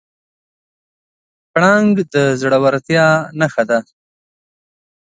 پړانګ د زړورتیا نښه ده.